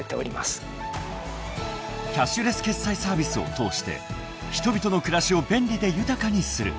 ［キャッシュレス決済サービスを通して人々の暮らしを便利で豊かにする］